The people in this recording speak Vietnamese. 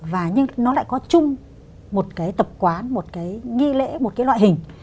và nhưng nó lại có chung một cái tập quán một cái nghi lễ một cái loại hình